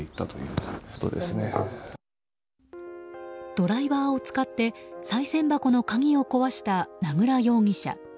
ドライバーを使ってさい銭箱の鍵を壊した名倉容疑者。